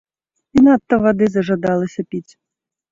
І надта вады зажадалася піць.